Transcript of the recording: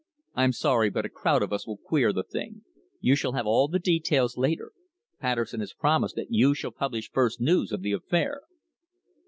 "I'm sorry, but a crowd of us will queer the thing. You shall have all the details later. Patterson has promised that you shall publish first news of the affair."